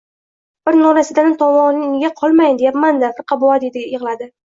— Bir norasidani tovoniga qolmayin deyapman-da, firqa bova, — deya yig‘ladi.